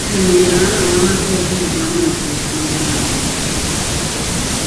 Ye ne muliranwa bamaze okweggyamu enfuufu mu maaso.